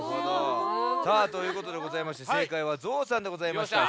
さあということでございましてせいかいは「ぞうさん」でございました。